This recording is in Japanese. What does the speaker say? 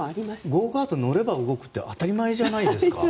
ゴーカート乗れば動くって当たり前じゃないですか？